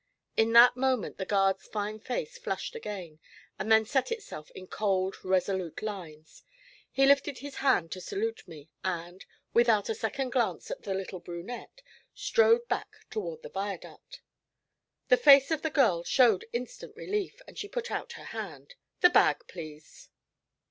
In that moment the guard's fine face flushed again, and then set itself in cold, resolute lines. He lifted his hand in salute to me, and, without a second glance at the little brunette, strode back toward the viaduct. The face of the girl showed instant relief, and she put out her hand. 'The bag, please!'